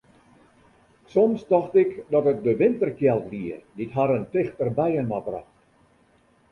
Soms tocht ik dat it de winterkjeld wie dy't harren tichter byinoar brocht.